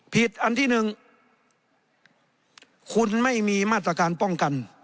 อันที่หนึ่งคุณไม่มีมาตรการป้องกัน